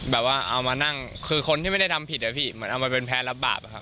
แบบว่าเอามานั่งคือคนที่ไม่ได้ทำผิดอะพี่เหมือนเอามาเป็นแพ้รับบาปอะครับ